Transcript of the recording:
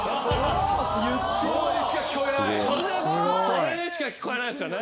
それにしか聞こえないですよね？